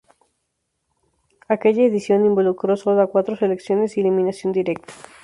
Aquella edición involucró solo a cuatro selecciones y eliminación directa.